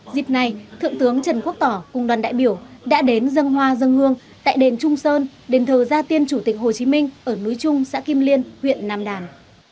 dịp này thượng tướng trần quốc tỏ cùng đoàn đại biểu đã đến dân hoa dân hương tại đền trung sơn đền thờ gia tiên chủ tịch hồ chí minh ở núi trung xã kim liên huyện nam đàn